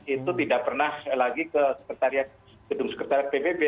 itu tidak pernah lagi ke gedung sekretariat pbb